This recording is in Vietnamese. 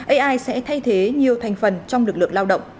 ai sẽ thay thế nhiều thành phần trong lực lượng lao động